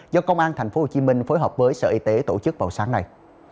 do công an tp hcm phối hợp với sở y tế tổ chức vào sáng nay